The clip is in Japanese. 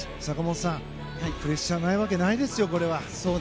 坂本さん、プレッシャーないわけないですよこれは。